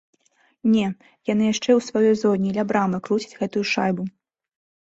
Не, яны яшчэ ў сваёй зоне ля брамы круцяць гэтую шайбу.